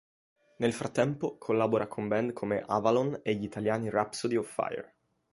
Nel frattempo collabora con band come Avalon e gli italiani Rhapsody of Fire.